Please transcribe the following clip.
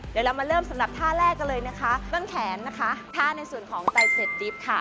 เดี๋ยวเรามาเริ่มสำหรับท่าแรกกันเลยนะคะต้นแขนนะคะท่าในส่วนของไตเสร็จดิบค่ะ